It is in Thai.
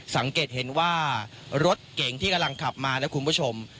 สังเกตเห็นว่ารถเก๋งที่กำลังขับมานะคุณผู้ชม